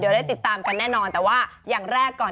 เดี๋ยวได้ติดตามกันแน่นอนแต่ว่าอย่างแรกก่อน